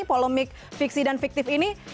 polemik fiksi dan fiktif ini